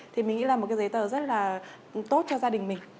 thì mình nghĩ là một cái giấy tờ rất là tốt cho gia đình mình